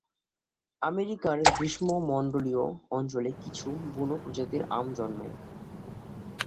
আমেরিকার গ্রীষ্মমন্ডলীয় অঞ্চলে কিছু বুনো প্রজাতির আম জন্মে।